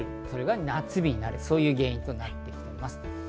それが夏日になる原因となっています。